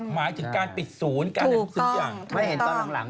หมายถึงการปิดศูนย์การทำทุกอย่าง